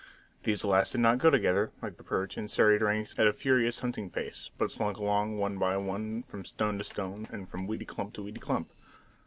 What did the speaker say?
These last did not go together, like the perch, in serried ranks at a furious hunting pace, but slunk along one by one from stone to stone, and from weedy clump to weedy clump.